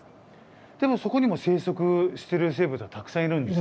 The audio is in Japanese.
でもそこにも生息してる生物はたくさんいるんですよね。